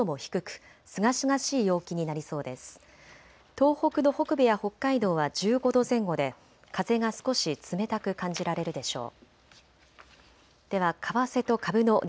東北の北部や北海道は１５度前後で風が少し冷たく感じられるでしょう。